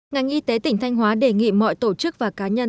ngành y tế tỉnh thanh hóa đề nghị mọi tổ chức và cá nhân